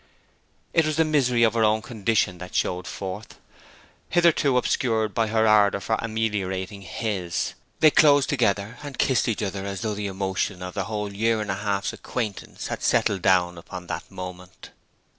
It was the misery of her own condition that showed forth, hitherto obscured by her ardour for ameliorating his. They closed together, and kissed each other as though the emotion of their whole year and half's acquaintance had settled down upon that moment.